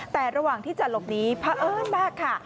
แต่ระหว่างที่จะหลบนี้เพราะเอิญมากค่ะ